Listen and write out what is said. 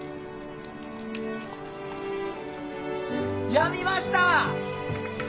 やみました。